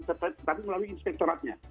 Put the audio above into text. tetapi melalui inspektoratnya